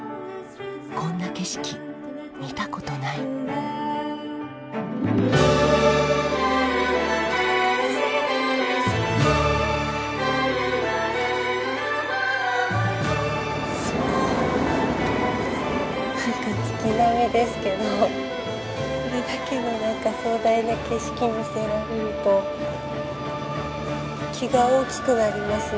こんな景色見た事ない何か月並みですけどこれだけの壮大な景色見せられると気が大きくなりますね。